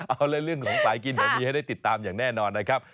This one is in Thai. เอาเลยเรื่องของสายกินเดี๋ยวมีให้ได้ติดตามอย่างแน่นอนนะครับ